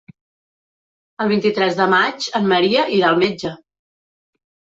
El vint-i-tres de maig en Maria irà al metge.